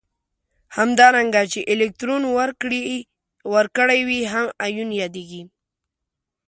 همدارنګه چې الکترون ورکړی وي هم ایون یادیږي.